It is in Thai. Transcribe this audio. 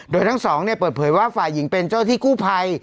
โดยทั้งสองเปิดเผยว่าฝ่ายหญิงเป็นเจ้าที่กู้ภัย